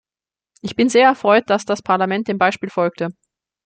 Ich bin sehr erfreut, dass das Parlament dem Beispiel folgte.